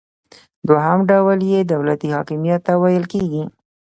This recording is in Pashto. دوهم ډول یې دولتي حاکمیت ته ویل کیږي.